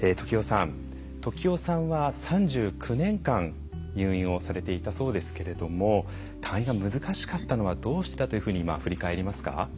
時男さんは３９年間、入院をされていたそうですけども退院が難しかったのはどうしてだと今、振り返りますか？